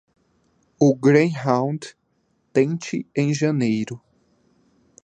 O Greyhound, tente em janeiro.